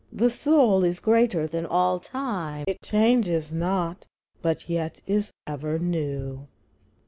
The soul is greater than all time, It changes not, but yet is ever new.